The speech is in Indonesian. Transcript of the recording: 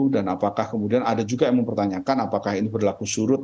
dan apakah kemudian ada juga yang mempertanyakan apakah ini berlaku surut